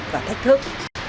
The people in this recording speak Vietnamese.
và thách thức